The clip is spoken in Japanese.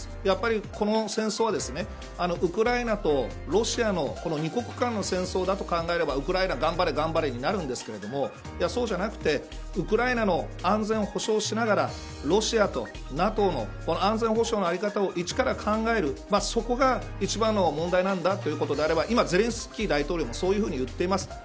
やはり、この戦争はウクライナとロシアの二国間の戦争だと考えればウクライナ頑張れになるんですけどそうじゃなくてウクライナの安全を保障しながらロシアとＮＡＴＯの安全保障の在り方を一から考えるそこが一番の問題なんだということであれば今、ゼレンスキー大統領もそう言っています。